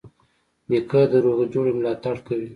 نیکه د روغي جوړې ملاتړ کوي.